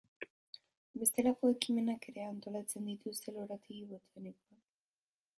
Bestelako ekimenak ere antolatzen dituzte lorategi botanikoan.